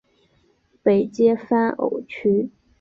北接番禺区。